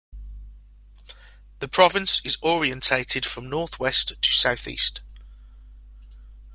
The province is orientated from northwest to southeast.